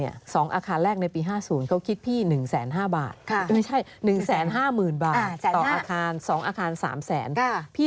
๒อาคารแรกในปี๕๐